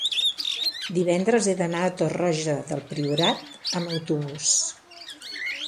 divendres he d'anar a Torroja del Priorat amb autobús.